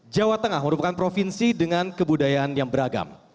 jawa tengah merupakan provinsi dengan kebudayaan yang beragam